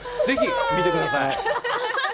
ぜひ見てください。